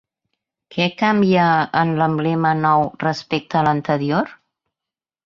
Què canvia en l'emblema nou respecte a l'anterior?